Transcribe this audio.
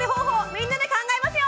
みんなで考えますよ！